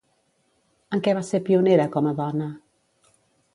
En què va ser pionera com a dona?